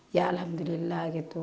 ya alhamdulillah gitu